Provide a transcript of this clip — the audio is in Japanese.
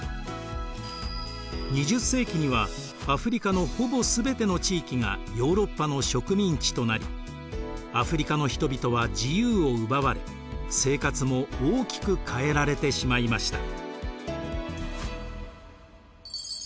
２０世紀にはアフリカのほぼすべての地域がヨーロッパの植民地となりアフリカの人々は自由を奪われ生活も大きく変えられてしまいました。